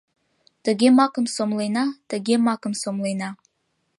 Тыге макым сомлена, тыге макым сомлена.